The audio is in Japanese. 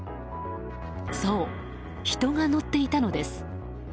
そう、人が乗っていたのです。